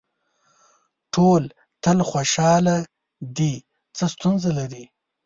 ټول تل خوشاله دي څه ستونزه لري.